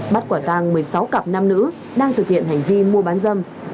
bắt quả tàng một mươi sáu cặp nam nữ đang thực hiện hành vi mua bán dâm